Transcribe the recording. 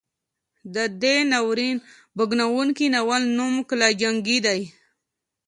د دې ناورین بوږنوونکي ناول نوم کلا جنګي دی.